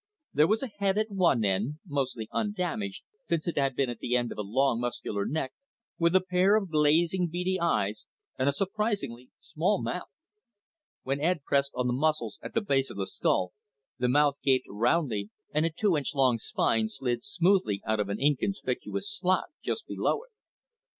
There was a head at one end, mostly undamaged since it had been at the end of a long muscular neck, with a pair of glazing beady eyes and a surprisingly small mouth. When Ed pressed on the muscles at the base of the skull, the mouth gaped roundly and a two inch long spine slid smoothly out of an inconspicuous slot just below it.